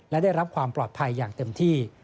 และได้รับความปลอดภัยอย่างเต็มที่